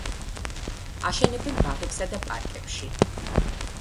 აშენებენ ბაღებსა და პარკებში.